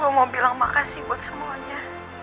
aku mau bilang makasih buat semuanya